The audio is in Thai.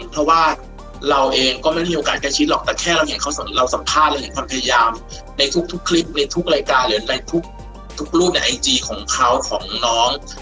เพราะว่าเราเองก็ไม่ได้มีโอกาสใกล้ชิดหรอกแต่แค่เราเห็นเขาเราสัมภาษณ์เราเห็นความพยายามในทุกคลิปในทุกรายการหรือในทุกรูปในไอจีของเขาของน้อง